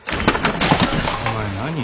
お前何？